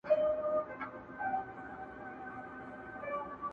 ستا د کیږدۍ له ماښامونو سره لوبي کوي؛